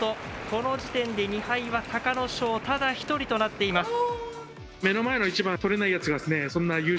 この時点で２敗は隆の勝ただ一人となっています。